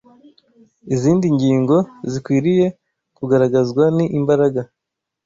Izindi ngingo zikwiriye kugaragazwa ni imbaraga